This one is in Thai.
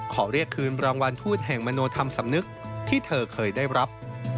ขอเรียกคืนรางวัลทูตแห่งมโนธรรมสำนึกที่เธอเคยได้รับ